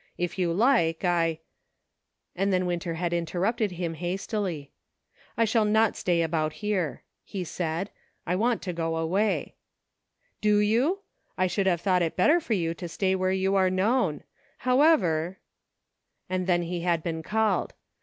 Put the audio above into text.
If you like, I "— And then Winter had interrupted him hastily. " I shall not stay about here," he said ;" I want to go away." " Do you ? I should have thought it better for you to stay where you were known. However "— And then he had been called.